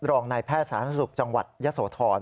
รองนายแพทย์สาธารณสุขจังหวัดยะโสธร